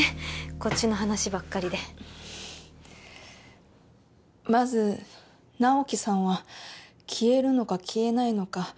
こっちの話ばっかりでまず直木さんは消えるのか消えないのか